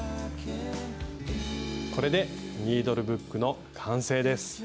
これでニードルブックの完成です。